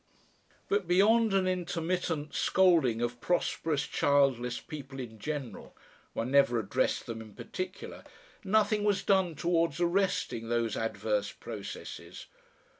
But beyond an intermittent scolding of prosperous childless people in general one never addressed them in particular nothing was done towards arresting those adverse processes.